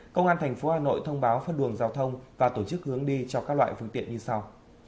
công an tp hà nội thông báo phân luồng giao thông và tổ chức hướng đi cho các loại phương tiện như sau